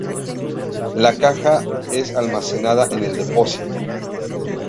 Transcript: La caja es almacenada en el depósito.